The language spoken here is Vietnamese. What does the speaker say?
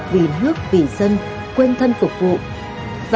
vì đồng đội của các anh